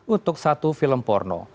untuk satu film porno